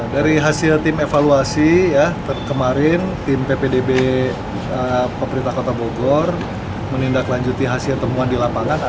dari hasil tim evaluasi ya terkemarin tim ppdb pemerintah kota bogor menindaklanjuti hasil